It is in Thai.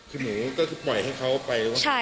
คือหนูก็คือปล่อยให้เขาไปว่า